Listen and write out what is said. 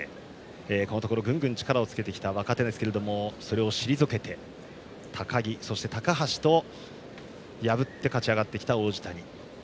このところ、グングンと力をつけてきた若手ですがそれを退けて高木、高橋と破って勝ち上がってきた王子谷。